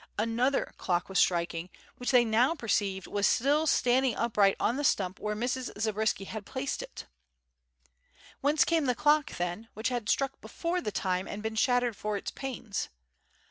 Another clock was striking, which they now perceived was still standing upright on the stump where Mrs. Zabriskie had placed it. Whence came the clock, then, which had struck before the time and been shattered for its pains?